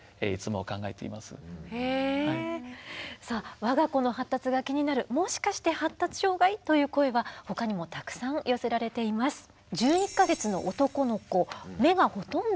さあ我が子の発達が気になるもしかして発達障害？という声はほかにもたくさん寄せられています。